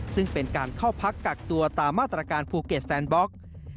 ซึ่งเป็นการเข้าพักกักตัวตามมาตรการภูเก็ตแซนบล็อก